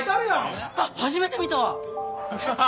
あっ初めて見たわ！